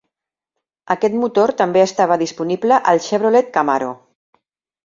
Aquest motor també estava disponible al Chevrolet Camaro.